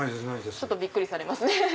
ちょっとびっくりされますね。